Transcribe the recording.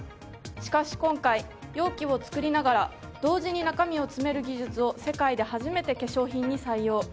しかし今回、容器を作りながら同時に中身を詰める技術を世界で初めて化粧品に採用。